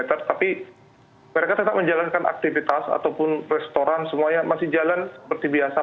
tapi mereka tetap menjalankan aktivitas ataupun restoran semuanya masih jalan seperti biasa